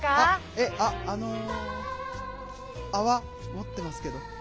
えっあっあのあわもってますけど。